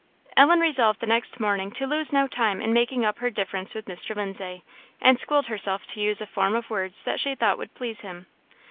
Ellen resolved the next morning to lose no time in making up her difference with Mr. Lindsay, and schooled herself to use a form of words that she thought would please him.